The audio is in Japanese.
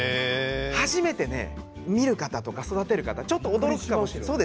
初めて見る方とか育てる方はちょっと驚くかもしれない。